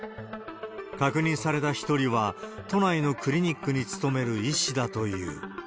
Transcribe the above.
確認された一人は、都内のクリニックに勤める医師だという。